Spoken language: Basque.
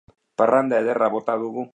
Parranda ederra bota dugu